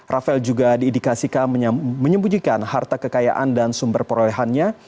rafael juga diindikasikan menyembunyikan harta kekayaan dan sumber perolehannya